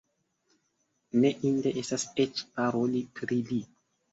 Ne inde estas eĉ paroli pri li!